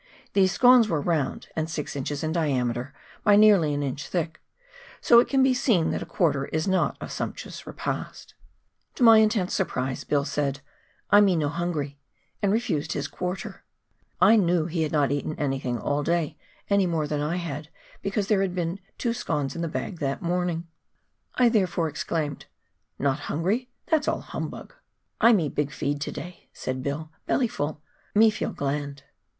These scones were round, and six inches in diameter by nearly an inch thick, so it can be seen that a quarter is not a sumptuous repast ! To my intense surprise Bill said, " I me no hungry," and refused his quarter ; I knew he had not eaten anything all day any more than I had, because there had been two scones in the bag that morning. 24.6 PIONEER WORK IN THE ALPS OF NEW ZEALAND. I therefore exclaimed, " Not hungry ? that's all humbug !"" I me big feed to day," said Bill ;" belly full, me feel gland."